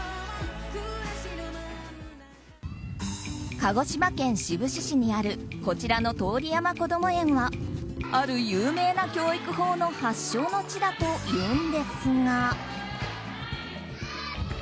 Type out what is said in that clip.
鹿児島県志布志市にあるこちらの通山こども園はある有名な教育法の発祥の地だというんですが。